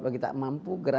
bagi tak mampu